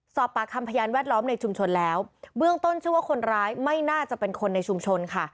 สอบปากคำพยานแวดล้อมในชุมชนแล้วเบื้องต้นชื่อว่าคนร้ายไม่น่าจะเป็นคนในชุมชนค่ะ